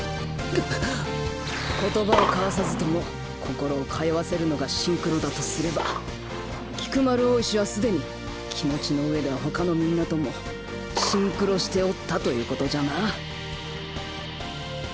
竜崎：言葉を交わさずとも心を通わせるのがシンクロだとすれば菊丸大石はすでに気持ちのうえでは他のみんなともシンクロしておったということじゃな